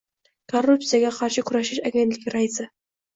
Korrupsiyaga qarshi kurashish agentligi raisi